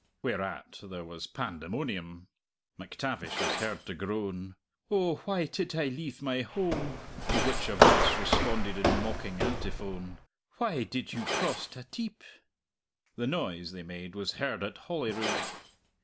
whereat there was pandemonium). MacTavish was heard to groan, "Oh, why tid I leave my home!" to which a voice responded in mocking antiphone, "Why tid you cross ta teep?" The noise they made was heard at Holyrood.